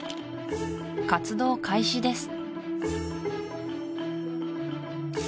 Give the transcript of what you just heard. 活動開始です